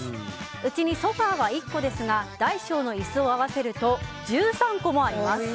うちにソファは１個ですが大小の椅子を合わせると１３個もあります。